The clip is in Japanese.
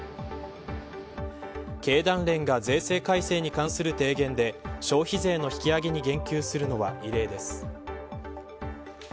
経団連が税制改正に関する提言で消費税の引き上げに言及するのは異例です。